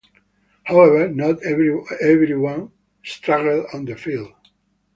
However, not everyone struggled on the field.